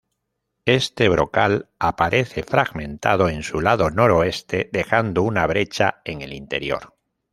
Este brocal aparece fragmentado en su lado noroeste, dejando una brecha en el interior.